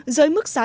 dưới mức giá trần